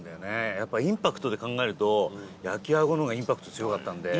やっぱりインパクトで考えると焼きあごのがインパクト強かったんで。